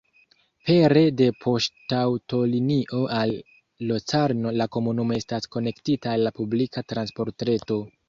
Pere de poŝtaŭtolinio al Locarno la komunumo estas konektita al la publika transportreto.